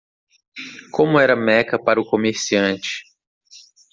como era Meca para o comerciante.